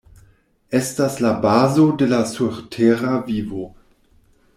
Estas la bazo de la surtera vivo.